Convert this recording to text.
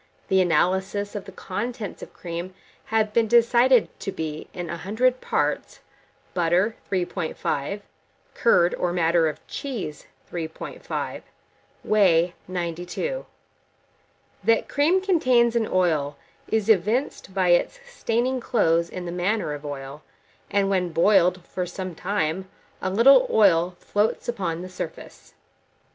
The analyses of the contents of cream have been decided to be, in 100 parts butter, 3.5; curd, or matter of cheese, 3.5; whey, 92.0. That cream contains an oil, is evinced by its staining clothes in the manner of oil; and when boiled for some time, a little oil floats upon the surface.